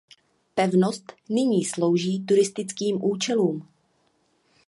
Pevnost nyní slouží turistickým účelům.